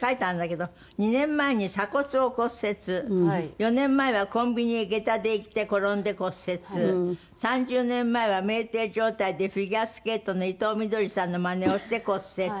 「４年前はコンビニへ下駄で行って転んで骨折」「３０年前は酩酊状態でフィギュアスケートの伊藤みどりさんのマネをして骨折」